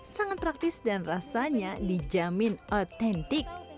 sangat praktis dan rasanya dijamin otentik